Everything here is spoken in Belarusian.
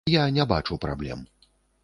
Я не бачу праблем.